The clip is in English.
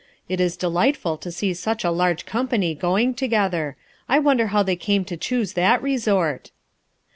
it is delightful to see such a large company going together. I wonder how they came to choose that resort?"